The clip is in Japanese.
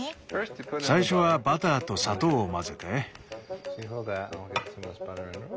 最初はバターと砂糖を混ぜて。